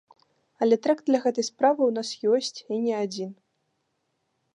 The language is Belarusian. Але трэк для гэтай справы ў нас ёсць і не адзін.